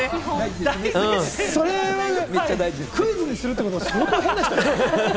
それをクイズにするってことは相当変な人よ。